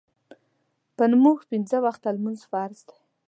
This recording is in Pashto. پۀ مونږ پينځۀ وخته مونځ فرض دے